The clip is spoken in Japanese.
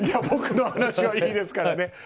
僕の話はいいですから。